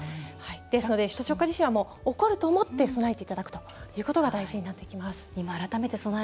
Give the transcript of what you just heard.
ですので首都直下地震は起こると思って備えていただくことが大事になってきます。